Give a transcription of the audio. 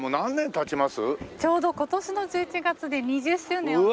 ちょうど今年の１１月で２０周年を迎えます。